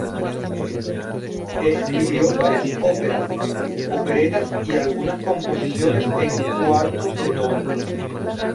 Escribió varias óperas, operetas y algunas composiciones en cuartos de tono.